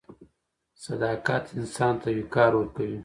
• صداقت انسان ته وقار ورکوي.